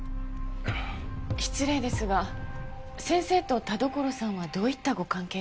失礼ですが先生と田所さんはどういったご関係でしょうか？